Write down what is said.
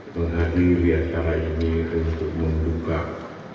menghadiri acara ini untuk membuka